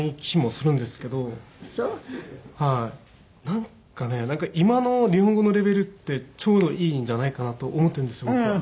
なんかねなんか今の日本語のレベルってちょうどいいんじゃないかなと思ってるんです僕は。